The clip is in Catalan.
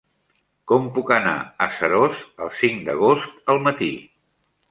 Com puc anar a Seròs el cinc d'agost al matí?